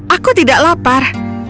aku tidak lapar